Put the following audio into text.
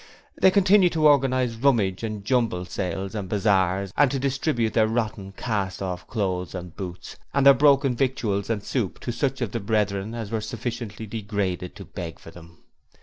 They continued to organize 'Rummage' and 'Jumble' sales and bazaars, and to distribute their rotten cast off clothes and boots and their broken victuals and soup to such of the Brethren as were sufficiently degraded to beg for them.